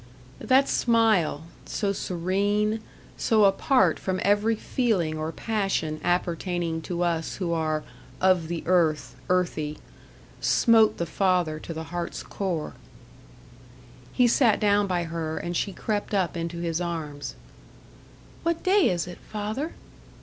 That smile so serene so apart from every feeling or passion appertaining to us who are "of the earth, earthy," smote the father to the heart's core. He sat down by her, and she crept up into his arms. "What day is it, father?"